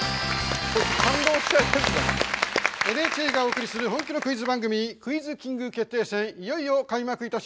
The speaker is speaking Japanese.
ＮＨＫがお送りする本気のクイズ番組「クイズキング決定戦」いよいよ開幕いたします。